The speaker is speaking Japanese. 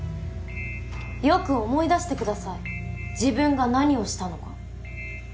よく思い出してください自分が何をしたのか。